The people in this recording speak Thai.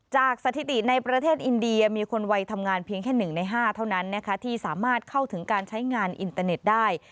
สถิติในประเทศอินเดียมีคนวัยทำงานเพียงแค่๑ใน๕เท่านั้นนะคะที่สามารถเข้าถึงการใช้งานอินเตอร์เน็ตได้